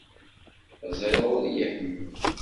Ẓriɣ ur iyi-iḥemmel.